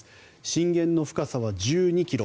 震源の深さは１２ｋｍ。